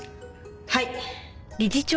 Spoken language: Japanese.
はい。